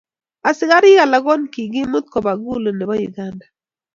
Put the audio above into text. Askarik alak konkikimut kopa Gulu nepo Uganda.